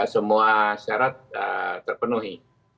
semua syarat terpenuhi